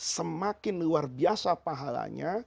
semakin luar biasa pahalanya